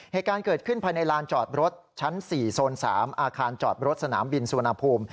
เหตุการณ์เกิดขึ้นภายในลานจอดรถชั้น๔โซน๓อาคารจอดรถสนามบินสุวรรณภูมิ